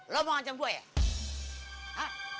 lo mau ancam gue ya